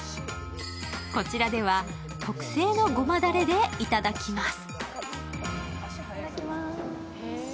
こちらでは、特製のごまだれでいただきます。